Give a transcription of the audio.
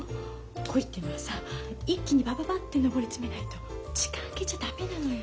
恋ってのはさ一気にバババッて上り詰めないと時間空けちゃ駄目なのよ。